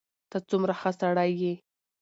ته څومره ښه سړی یې.